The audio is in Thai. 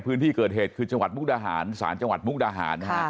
พื้นที่เกิดเหตุคือสารจังหวัดมุกดาหาร